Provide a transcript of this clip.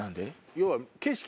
要は。